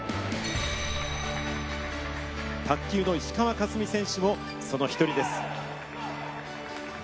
卓球の石川佳純選手もその１人です。